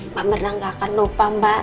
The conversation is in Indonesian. mbak merna gak akan lupa mbak